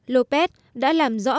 lopez đã làm rõ